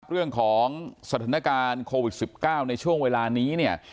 เรื่องของสถานการณ์โควิด๑๙ในช่วงเวลานี้เนี่ย